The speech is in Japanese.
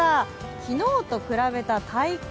昨日と比べた体感。